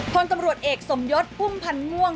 พลตำรวจเอกสมยศพุ่มพันธ์ม่วง